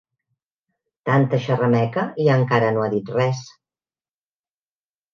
Tanta xerrameca i encara no ha dit res.